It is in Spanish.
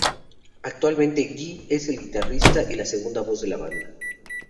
Actualmente Gee es el guitarrista y la segunda voz de la banda.